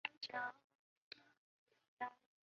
金山寺舍利塔的历史年代为元代。